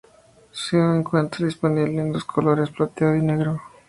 Se encuentra disponible en dos colores, plateado y negro.